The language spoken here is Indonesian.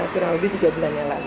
kurang lebih tiga bulan yang lalu